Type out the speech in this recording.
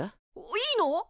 いいの？